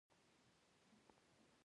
دوی د اقتصاد او ټولنې په اړه دي.